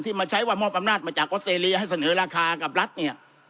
มาใช้ว่ามอบอำนาจมาจากออสเตรเลียให้เสนอราคากับรัฐเนี่ย